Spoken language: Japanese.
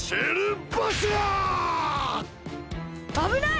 あぶない！